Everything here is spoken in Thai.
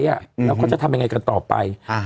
แล้วเขาจะทำยังไงกันต่อไป